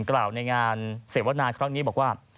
กล่าวในงานเสวนาครั้งนี้บอกว่า